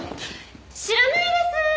知らないです。